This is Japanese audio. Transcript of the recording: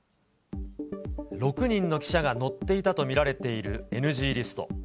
６人の記者が載っていたと見られるＮＧリスト。